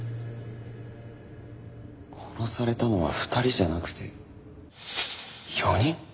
殺されたのは２人じゃなくて４人？